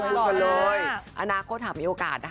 สบายเลยอาณาโค้ดถามมีโอกาส